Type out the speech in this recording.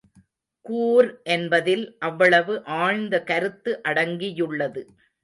கூர் என்பதில் அவ்வளவு ஆழ்ந்த கருத்து அடங்கி யுள்ளது.